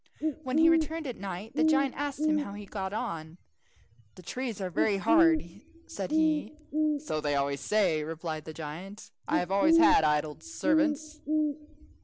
When he returned at night the giant asked him how he got on. "The trees are very hard," said he. "So they always say," replied the giant; "I have always had idle servants."